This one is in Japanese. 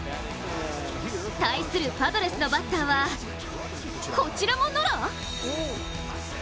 対するパドレスのバッターはこちらもノラ！？